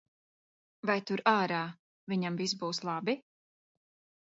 Vai tur, ārā, viņam viss būs labi?